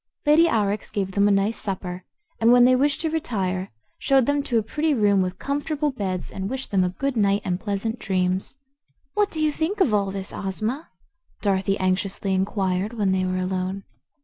Lady Aurex gave them a nice supper and when they wished to retire showed them to a pretty room with comfortable beds and wished them a good night and pleasant dreams. "What do you think of all this, Ozma?" Dorothy anxiously inquired when they were alone.